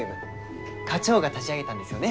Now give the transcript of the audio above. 課長が立ち上げたんですよね